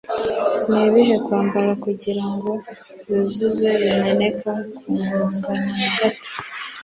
Nibihe kwambara kugirango yuzuze bimeneka kugongana na gato